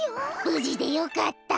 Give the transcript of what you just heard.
ぶじでよかった。